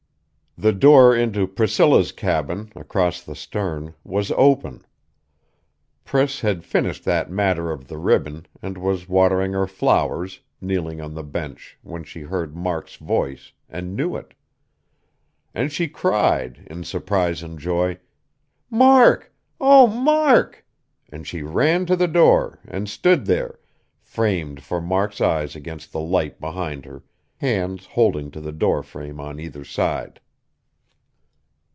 The door into Priscilla's cabin, across the stern, was open. Priss had finished that matter of the ribbon, and was watering her flowers, kneeling on the bench, when she heard Mark's voice, and knew it. And she cried, in surprise and joy: "Mark! Oh Mark!" And she ran to the door, and stood there, framed for Mark's eyes against the light behind her, hands holding to the door frame on either side.